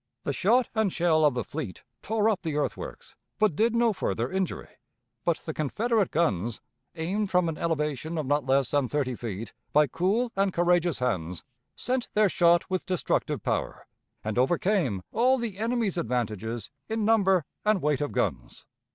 The shot and shell of the fleet tore up the earthworks, but did no further injury. But the Confederate guns, aimed from an elevation of not less than thirty feet by cool and courageous hands, sent their shot with destructive power, and overcame all the enemy's advantages in number and weight of guns.